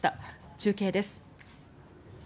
中継です。